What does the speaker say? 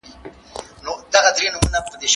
موږ په کمپيوټر کي معلومات ساتو.